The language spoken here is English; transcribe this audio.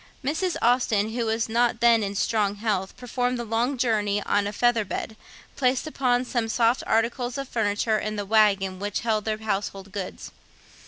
Mrs. Austen, who was not then in strong health, performed the short journey on a feather bed, placed upon some soft articles of furniture in the waggon which held their household goods.